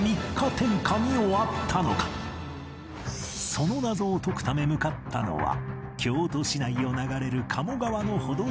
その謎を解くため向かったのは京都市内を流れる鴨川の程近く